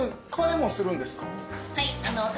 はい。